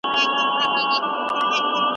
د فایل کمول د جزئیاتو له منځه وړل دي.